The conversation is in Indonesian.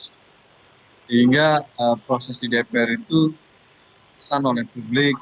sehingga proses di dpr itu pesan oleh publik